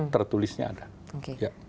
tertulisnya ada oke